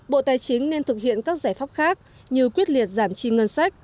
bộ tài chính nên thực hiện các giải pháp khác như quyết liệt giảm chi ngân sách